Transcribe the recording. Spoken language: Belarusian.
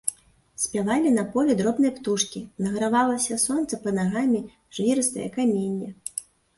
Спявалі на полі дробныя птушкі, награвалася сонцам пад нагамі жвірыстае каменне.